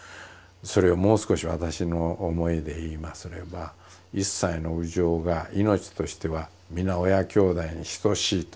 それをもう少し私の思いで言いますれば一切の有情が命としては皆親兄弟に等しいと。